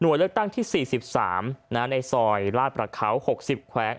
น้วยเลือกตั้งที่สิบสามน้าในสอยลาดประเขาหกสิบแขวง